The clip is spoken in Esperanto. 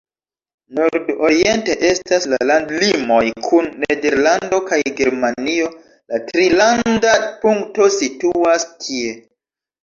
Nord-oriente estas la landlimoj kun Nederlando kaj Germanio, la trilanda punkto situas tie.